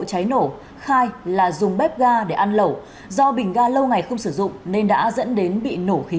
cháy nổ khai là dùng bếp ga để ăn lẩu do bình ga lâu ngày không sử dụng nên đã dẫn đến bị nổ khí